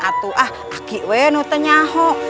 aduh ah aku juga sudah nyahulah